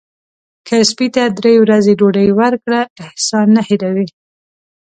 که سپي ته درې ورځې ډوډۍ ورکړه احسان نه هیروي.